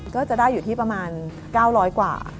ก็จะได้อยู่ที่ประมาณ๙๐๐กว่า